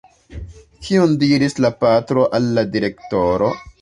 Kion diris la patro al la direktoro?